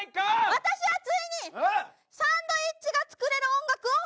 私はついにサンドイッチが作れる音楽を発見しました！